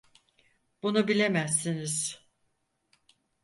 Bunu bilemezsiniz.